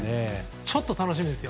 ちょっと楽しみですよ。